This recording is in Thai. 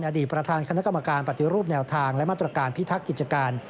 อดีตประธานคณะกรรมการปฏิรูปแนวทางและมาตรการพิทักษ์กิจการ